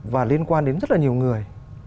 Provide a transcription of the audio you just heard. và liên quan đến rất là nhiều người